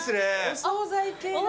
お総菜系だ。